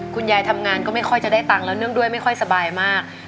คุณยายทำงานก็ไม่ค่อยจะได้ตังค์แล้วเนื่องด้วยไม่ค่อยสบายมาก